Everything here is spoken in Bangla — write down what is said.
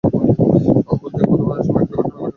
উহুদ থেকে প্রত্যাবর্তন সময়ের একটি ঘটনা এখানে তাঁর স্মরণ হয়।